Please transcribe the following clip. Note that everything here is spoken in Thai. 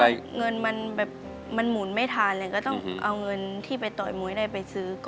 เงินมันแบบมันหมุนไม่ทันเลยก็ต้องเอาเงินที่ไปต่อยมวยได้ไปซื้อก่อน